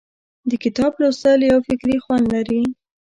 د کتاب لوستل یو فکري خوند لري.